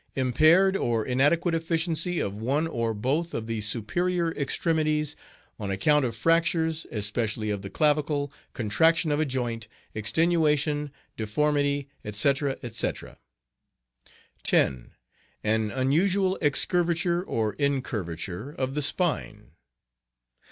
Impaired or inadequate efficiency of one or both of the superior extremities on account of fractures, especially of the clavicle, contraction of a joint, extenuation, deformity, etc., etc. 10. An unusual excurvature or incurvature of the spine.